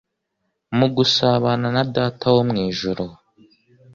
mu gusabana na Data wo mu ijuru.